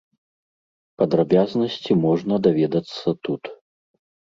Падрабязнасці можна даведацца тут.